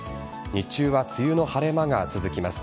日中は梅雨の晴れ間が続きます。